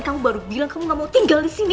kamu baru bilang kamu gak mau tinggal disini